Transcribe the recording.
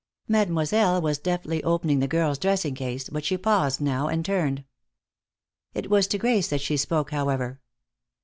Mademoiselle was deftly opening the girl's dressing case, but she paused now and turned. It was to Grace that she spoke, however.